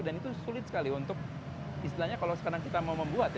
dan itu sulit sekali untuk istilahnya kalau sekarang kita mau membuat ya